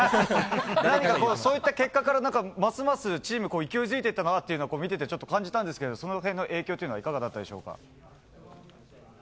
何かこう、そういった結果から、なんかますますチーム、勢いづいていったなっていうのは、見ててちょっと感じたんですけれど、そのへんの影響っていうのはいかがだったでしょうか。